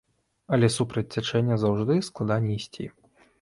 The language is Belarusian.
Але супраць цячэння заўжды складаней ісці.